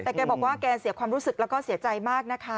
แต่แกบอกว่าแกเสียความรู้สึกแล้วก็เสียใจมากนะคะ